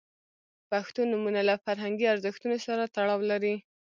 • پښتو نومونه له فرهنګي ارزښتونو سره تړاو لري.